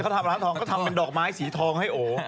เขาทำร้านทองก็ทำเป็นดอกไม้สีทองให้โอ